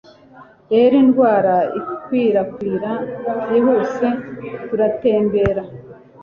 Rero indwara ikwirakwira byihuse. Turatembera